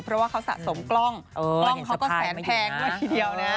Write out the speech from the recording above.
เพราะว่าเขาสะสมกล้องกล้องเขาก็แสนแพงด้วยทีเดียวนะ